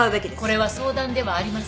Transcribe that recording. これは相談ではありません。